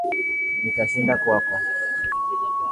Nitashinda kwako